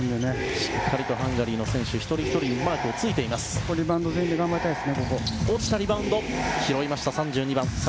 しっかりとハンガリーの選手一人ひとりにマークをついています。